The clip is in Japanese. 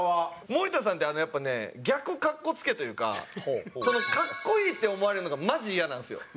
森田さんってやっぱね逆格好付けというか格好いいって思われるのがマジイヤなんですよ。